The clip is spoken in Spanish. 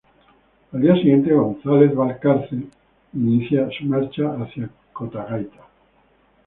Al día siguiente, González Balcarce inició su marcha hacia Cotagaita.